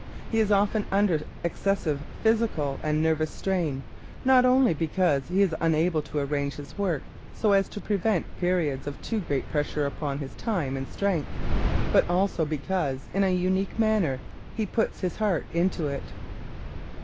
He is often under excessive physical and nervous strain not only because he is unable to arrange his work so as to prevent periods of too great pressure upon his time and strength, but also because in a unique manner he puts his heart into it.